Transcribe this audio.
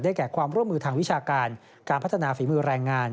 แก่ความร่วมมือทางวิชาการการพัฒนาฝีมือแรงงาน